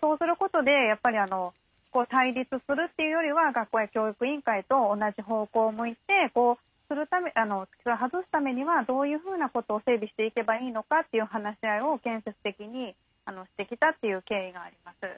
そうすることで対立するっていうよりは学校や教育委員会と同じ方向を向いて付き添いを外すためにはどういうふうなことを整備していけばいいのかという話し合いを建設的にしてきたっていう経緯があります。